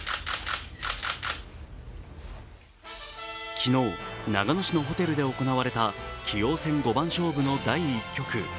昨日、長野市のホテルで行われた棋王戦五番勝負の第１局。